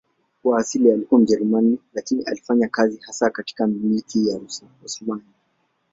Kwa asili alikuwa Mjerumani lakini alifanya kazi hasa katika Milki ya Osmani.